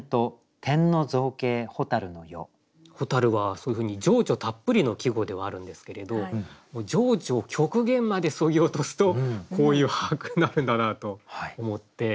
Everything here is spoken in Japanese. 蛍はそういうふうに情緒たっぷりの季語ではあるんですけれど情緒を極限までそぎ落とすとこういう俳句になるんだなと思って。